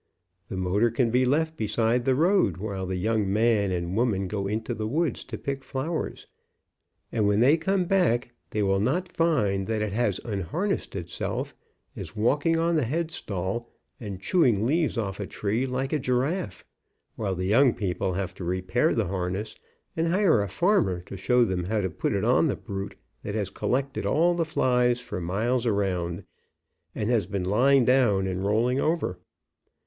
The motor can be left beside the road while the young man and woman go into the woods to pick flowers, and when they come back they will not find that it has unharnessed itself, is walking on the headstall, and chewing leaves off a tree like a giraffe, while the young people have to repair the harness and hire a farmer to show them how to put it on the brute that has collected all the flies for miles around, and has been lying down and rolling over.